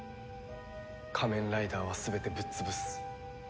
仮面ライダーは全てぶっ潰す。